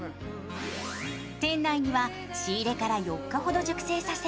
店内には仕入れから４日ほど熟成させ